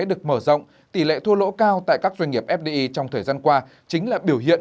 được mở rộng tỷ lệ thua lỗ cao tại các doanh nghiệp fdi trong thời gian qua chính là biểu hiện